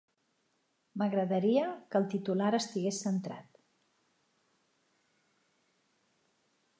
M'agradaria que el titular estigués centrat.